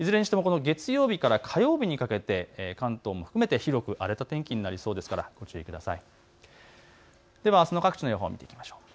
月曜日から火曜日にかけて関東を含めて広く荒れた天気になりそうですからご注意ください。